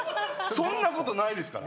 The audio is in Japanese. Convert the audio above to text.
そんなことないですから。